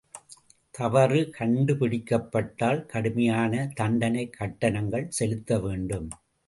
தவறு கண்டுபிடிக்கப்பட்டால் கடுமையான தண்டனைக் கட்டணங்கள் செலுத்த வேண்டும்.